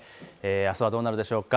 あすはどうなるでしょうか。